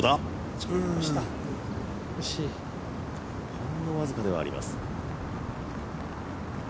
ほんの僅かではあります。